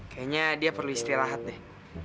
kayaknya dia perlu istirahat deh